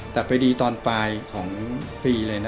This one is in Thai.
แต่ไปดีตอนปลายของปีเลยนะ